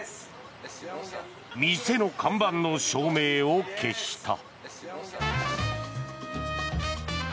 店の看板の照明を消した。